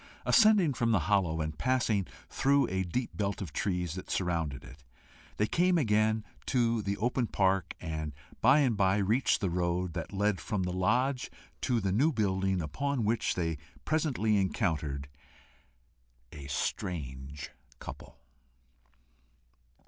Ascending from the hollow, and passing through a deep belt of trees that surrounded it, they came again to the open park, and by and by reached the road that led from the lodge to the new building, upon which they presently encountered a strange couple.